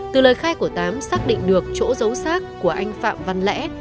từ lời khai của tám xác định được chỗ giấu xác của anh phạm văn lẽ